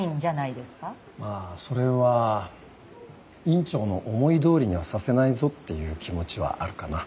まあそれは院長の思いどおりにはさせないぞっていう気持ちはあるかな。